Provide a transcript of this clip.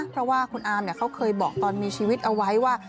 เพราะว่าคุณอาร์มเขาเคยบอกตอนมีชีวิตเอาไว้ว่า